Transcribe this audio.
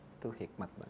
itu hikmat banget